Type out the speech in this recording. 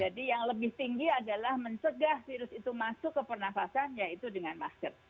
jadi yang lebih tinggi adalah mencegah virus itu masuk ke pernafasan yaitu dengan masker